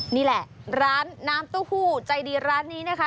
นี่แหละร้านน้ำเต้าหู้ใจดีร้านนี้นะคะ